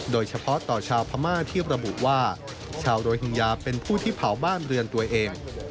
โดยเฉพาะต่อชาวพม่าที่ระบุว่าชาวโรฮิงญาเป็นผู้ที่เผาบ้านเรือนตัวเอง